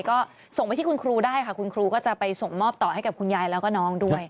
ก็ส่งไปที่คุณครูได้ค่ะคุณครูก็จะไปส่งมอบต่อให้กับคุณยายแล้วก็น้องด้วย